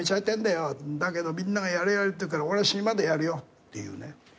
「だけどみんながやれやれって言うから俺は死ぬまでやるよ」っていうね。